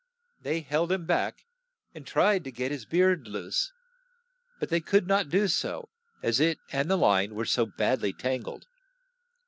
They held him back, and tried to get his beard loose, but they could not do so as it and the line were so bad ly tangled.